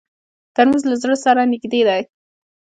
ترموز له زړه سره نږدې دی.